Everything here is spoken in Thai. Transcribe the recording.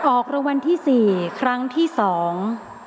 ออกรางวัลที่สี่ครั้งที่สอง